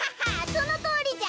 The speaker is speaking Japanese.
そのとおりじゃ。